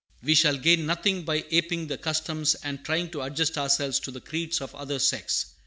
We shall gain nothing by aping the customs and trying to adjust ourselves to the creeds of other sects.